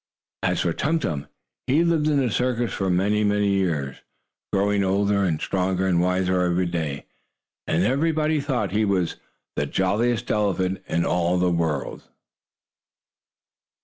As for Tum Tum, he lived in the circus for many, many years, growing older and stronger and wiser every day, and everybody thought he was the jolliest elephant in all the world.